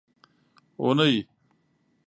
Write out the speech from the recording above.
اونۍ